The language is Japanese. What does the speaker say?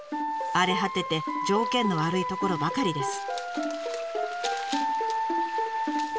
荒れ果てて条件の悪い所ばかりです。